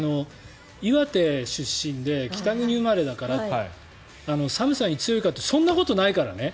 岩手出身で北国生まれだから寒さに強いかというとそんなことないからね。